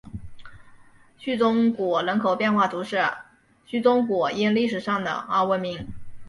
叙宗谷人口变化图示叙宗谷因历史上的而闻名。